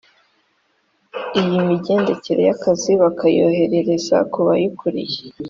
iyimigendekere y’ akazi bakayoherereza kubabakuriye.